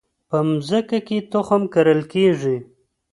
په مځکه کې تخم کرل کیږي